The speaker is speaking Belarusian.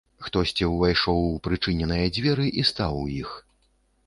Хтосьці ўвайшоў у прычыненыя дзверы і стаў у іх.